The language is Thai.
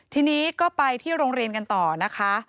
ทีนี้ก็ไปที่โรงเรียนกันต่อนะคะ